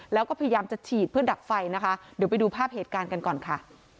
แล้วก็พยายามจะฉีดเพื่อดับไฟนะคะเดี๋ยวไปดูภาพเหตุการณ์กันก่อนค่ะ